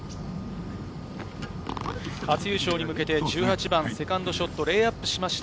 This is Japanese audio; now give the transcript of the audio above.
初優勝に向けて１８番、セカンドショット、レイアップしました